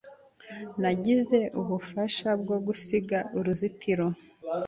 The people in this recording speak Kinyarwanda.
Nagize ubufasha bwo gusiga uruzitiro.